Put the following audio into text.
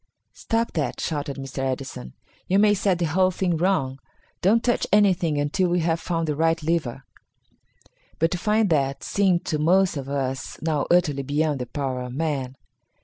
"Stop that!" shouted Mr. Edison, "you may set the whole thing wrong. Don't touch anything until we have found the right lever." But to find that seemed to most of us now utterly beyond the power of man.